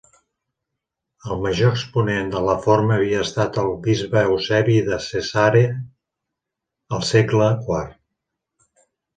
El major exponent de la forma havia estat el bisbe Eusebi de Cesarea al segle IV.